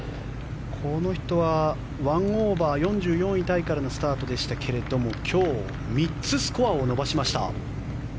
この人は、１オーバー４４位タイからのスタートでしたけれども今日３つスコアを伸ばしました。